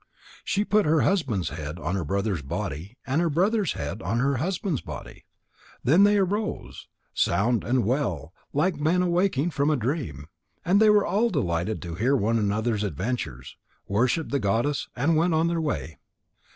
She put her husband's head on her brother's body and her brother's head on her husband's body. Then they arose, sound and well, like men awaking from a dream. And they were all delighted to hear one another's adventures, worshipped the goddess, and went on their way.